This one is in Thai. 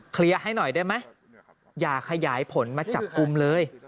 เคลียร์ให้หน่อยได้ไหมอย่าขยายผลมาจับกุมเลย